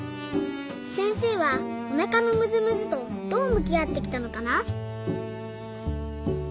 せんせいはおなかのむずむずとどうむきあってきたのかな？